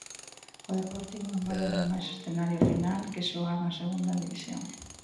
O Deportivo non baralla máis escenario final que xogar na Segunda División.